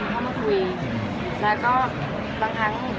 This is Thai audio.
มันต้องมีคนเข้ามาคุย